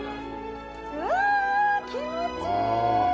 うわぁ、気持ちいい！